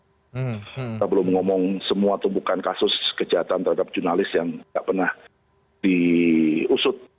kita belum ngomong semua tumpukan kasus kejahatan terhadap jurnalis yang tidak pernah diusut